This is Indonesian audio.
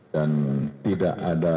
dan tidak ada